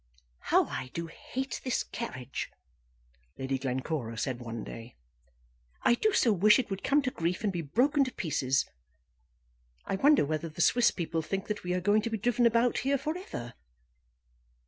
"How I do hate this carriage," Lady Glencora said one day. "I do so wish it would come to grief, and be broken to pieces. I wonder whether the Swiss people think that we are going to be driven about here for ever."